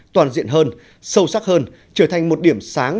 toàn diện hơn sâu sắc hơn trở thành một điểm sáng